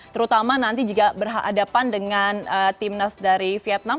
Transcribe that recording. terutama nanti jika berhadapan dengan timnas dari vietnam